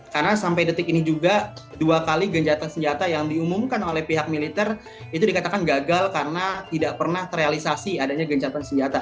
karena sampai detik ini juga dua kali gencatan senjata yang diumumkan oleh pihak militer itu dikatakan gagal karena tidak pernah terrealisasi adanya gencatan senjata